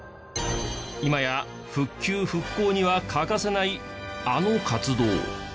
今や復旧復興には欠かせないあの活動。